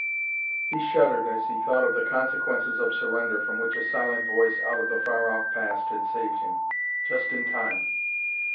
He shuddered as he thought of the consequences of surrender from which a silent voice out of the far off past had saved him just in time.